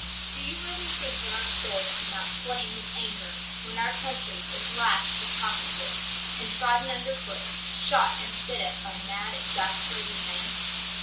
Do you really think that our souls do not flame with anger when our country is lashed with Cossack whips, and trodden under foot, shot and spit at by mad, exasperated men?